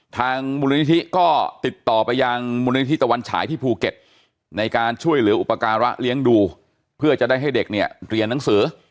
ทางมูลนิธิก็ติดต่อไปยังมูลนิธิตะวันฉายที่ภูเก็ตในการช่วยเหลืออุปการะเลี้ยงดูเพื่อจะได้ให้เด็กเนี่ยเรียนหนังสือ